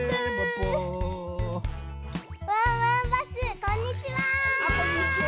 ワンワンバスこんにちは！